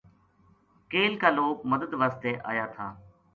کیل کا لوک مدد واسطے آیاتھا